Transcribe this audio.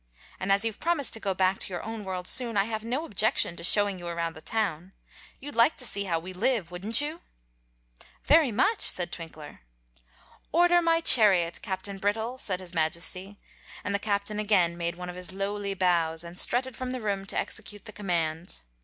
And as you've promised to go back to your own world soon, I have no objection to showing you around the town. You'd like to see how we live, wouldn't you?" "Very much," said Twinkle. "Order my chariot, Captain Brittle," said his Majesty; and the Captain again made one of his lowly bows and strutted from the room to execute the command.